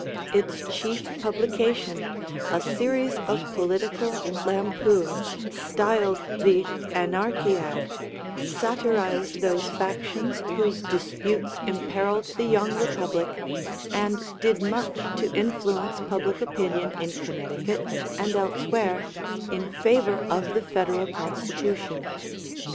Its chief publication, a series of political lampoons styled 'The Anarchiad,' satirized those factions whose disputes imperiled the young republic, and did much to influence public opinion in Connecticut and elsewhere in favor of the Federal Constitution.